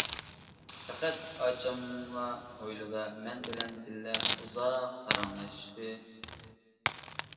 پەقەت ئاچاملا ھويلىدا مەن بىلەن بىللە ئۇزاق پاراڭلاشتى.